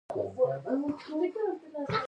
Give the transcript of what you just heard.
هغه وویل: ته ودرېږه چې زه ور ووځم.